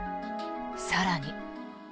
更に。